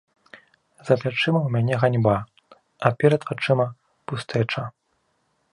За плячыма ў мяне ганьба, а перад вачыма пустэча.